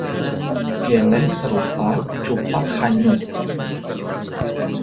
Geleng serupa cupak hanyut